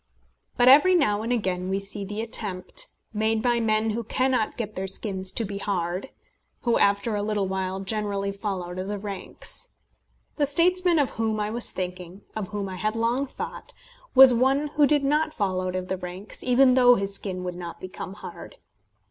But every now and again we see the attempt made by men who cannot get their skins to be hard who after a little while generally fall out of the ranks. The statesman of whom I was thinking of whom I had long thought was one who did not fall out of the ranks, even though his skin would not become hard.